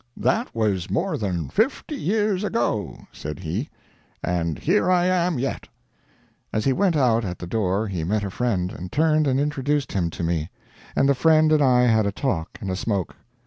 "That was more than fifty years ago," said he. "And here I am, yet." As he went out at the door he met a friend, and turned and introduced him to me, and the friend and I had a talk and a smoke.